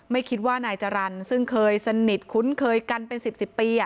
ไม่คิดว่านายจรรย์ซึ่งเคยสนิทคุ้นเคยกันเป็น๑๐ปี